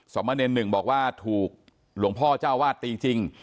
สมเนรหนึ่งบอกว่าถูกหลวงพ่อเจ้าวาดตีจริง